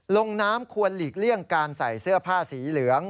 ลงน้ำควรหลีกเลี่ยงการใส่เสื้อผ้าสีเหลือง